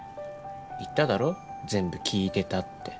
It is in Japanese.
言っただろ全部聞いてたって。